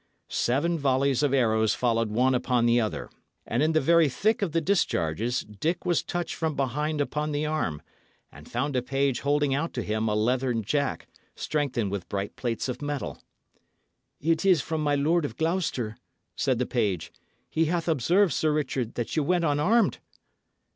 Seven volleys of arrows followed one upon the other, and in the very thick of the discharges Dick was touched from behind upon the arm, and found a page holding out to him a leathern jack, strengthened with bright plates of mail. "It is from my Lord of Gloucester," said the page. "He hath observed, Sir Richard, that ye went unarmed."